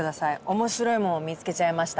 面白いもの見つけちゃいました。